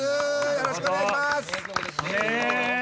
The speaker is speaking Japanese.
よろしくお願いします。